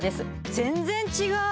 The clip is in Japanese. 全然違う！